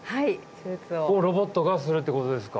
手術を。をロボットがするってことですか。